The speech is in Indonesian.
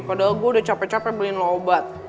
padahal gue udah capek capek beliin low obat